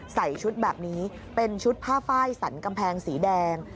ใส่ชุดแบบนี้เป็นชุดผ้าไฟสันกำแพงสีแดง